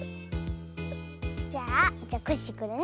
じゃあじゃコッシーこれね。